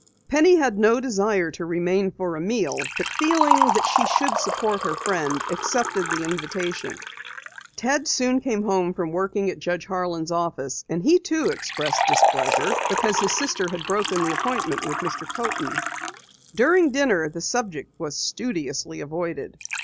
Penny had no desire to remain for a meal, but feeling that she should support her friend, accepted the invitation. Ted soon came home from working at Judge Harlan's office, and he too expressed displeasure because his sister had broken the appointment with Mr. Coaten. During dinner the subject was studiously avoided.